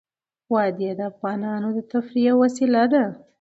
وادي د افغانانو د تفریح یوه وسیله ده.